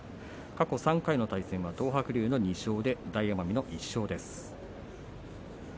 過去３回の対戦は東白龍の２勝で大奄美の１勝です。